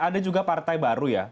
ada juga partai baru ya